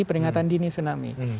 peringatan dini tsunami